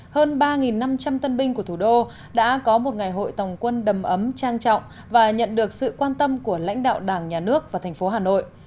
hơn ba năm trăm linh tân binh của thủ đô đã có một ngày hội tòng quân đầm ấm trang trọng và nhận được sự quan tâm của lãnh đạo đảng nhà nước và thành phố hà nội